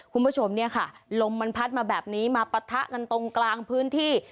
คุณผู้ชมเนี่ยค่ะลมมันพัดมาแบบนี้มาปะทะกันตรงกลางพื้นที่